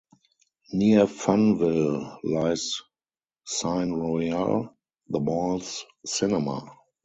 Near Funville lies Cine Royal, the mall's cinema.